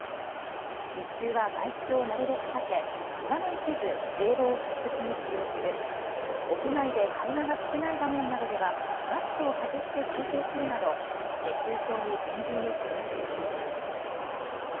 日中は外出をなるべく避け我慢せず冷房を適切に使用する、屋外で会話が少ない場面などではマスクを外して休憩するなど熱中症に厳重に警戒してください。